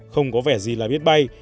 không có vẻ gì là biết bay